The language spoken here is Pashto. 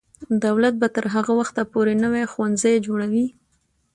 دولت به تر هغه وخته پورې نوي ښوونځي جوړوي.